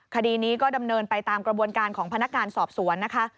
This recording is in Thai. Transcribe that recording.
คดีนี้ก็ดำเนินไปตามกระบวนการของพนักงานสอบสวนนะคะ